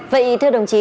vậy thưa đồng chí